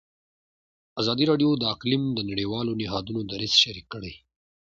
ازادي راډیو د اقلیم د نړیوالو نهادونو دریځ شریک کړی.